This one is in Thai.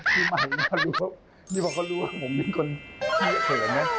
พี่ใหม่มารู้พี่ฟาวเขารู้ว่าผมเป็นคนขี้เขินนะ